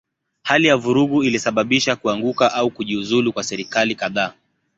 Hali ya vurugu ilisababisha kuanguka au kujiuzulu kwa serikali kadhaa.